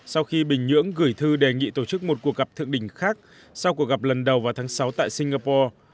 sau khi bình nhưỡng gửi thư đề nghị tổ chức một cuộc gặp thượng đỉnh khác sau cuộc gặp lần đầu vào tháng sáu tại singapore